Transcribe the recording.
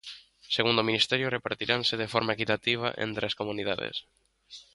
Segundo o Ministerio, repartiranse de forma equitativa entre as comunidades.